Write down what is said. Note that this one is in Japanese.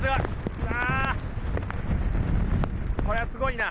これはすごいな。